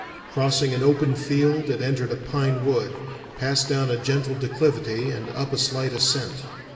Crossing an open field it entered a pine wood, passed down a gentle declivity and up a slight ascent.